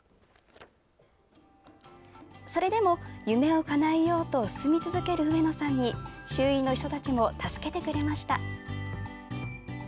それでも、夢をかなえようと進み続ける上野さんに周囲の人たちも助けてくれました。